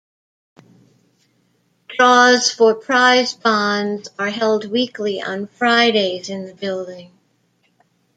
Draws for Prize Bonds are held weekly, on Fridays, in the building.